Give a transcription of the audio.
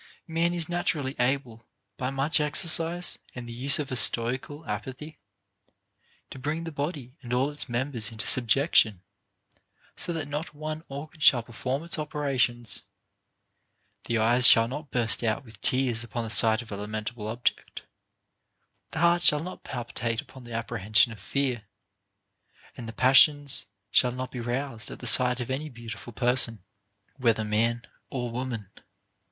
Man is naturally able, by much exercise and the use of a stoical apathy, to bring the body and all its mem bers into subjection, so that not one organ shall perform its operation, — the eyes shall not burst out with tears upon the sight of a lamentable object, the heart shall not palpi tate upon the apprehension of fear, and the passions shall not be roused at the sight of any beautiful person, whether man or woman.